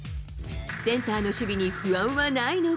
センターの守備に不安はないのか。